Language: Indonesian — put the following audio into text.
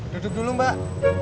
duduk dulu mbak